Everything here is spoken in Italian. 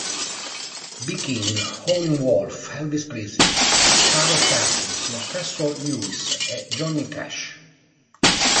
B. King, Howlin' Wolf, Elvis Presley, Carl Perkins, lo stesso Lewis e Johnny Cash.